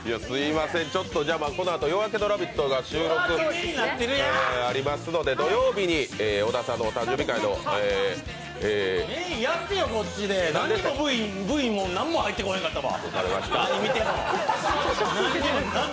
このあと「夜明けのラヴィット！」が収録ありますので、土曜日に小田さんのお誕生日会のやってよ、こっちでＶも何も入ってこなかったわ。